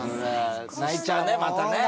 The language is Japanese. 泣いちゃうねまたね。